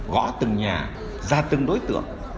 gõ từng nhà ra từng đối tượng